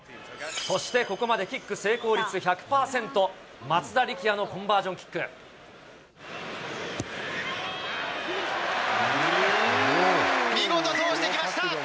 そしてここまでキック成功率１００％、見事、通してきました。